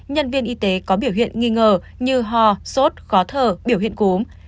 nhân viên y tế có biểu hiện nghi ngờ như ho sốt khó thở biểu hiện cúm